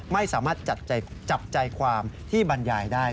ไม่สามารถจับใจความที่บรรยายได้